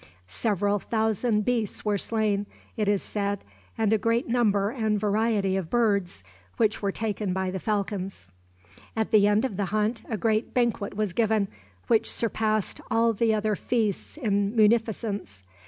Several thousand beasts were slain, it is said, and a great number and variety of birds, which were taken by the falcons. At the end of the hunt a great banquet was given, which surpassed all the other feasts in munificence.